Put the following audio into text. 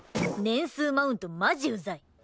年数マウントマジうざい。